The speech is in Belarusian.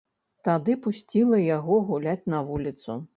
Тады пусціла яго гуляць на вуліцу.